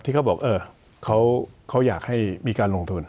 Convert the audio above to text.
เขาบอกเขาอยากให้มีการลงทุน